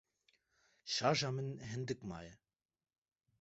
Şarja min hindik maye.